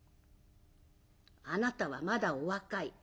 「あなたはまだお若い。